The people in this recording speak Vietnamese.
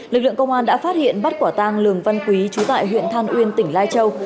lực lượng công an đã phát hiện bắt quả tang lường văn quý chú tại huyện than uyên tỉnh lai châu